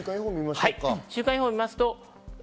週間予報を見ましょう。